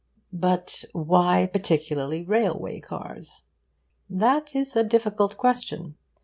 But why particularly railway cars? That is a difficult question.